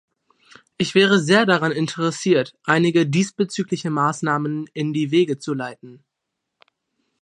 Ich wäre sehr daran interessiert, einige diesbezügliche Maßnahmen in die Wege zu leiten.